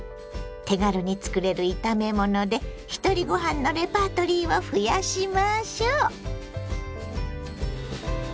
手軽につくれる炒め物でひとりご飯のレパートリーを増やしましょ。